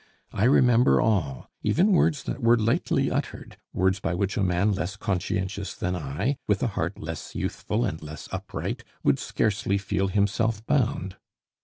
I remember all, even words that were lightly uttered, words by which a man less conscientious than I, with a heart less youthful and less upright, would scarcely feel himself bound.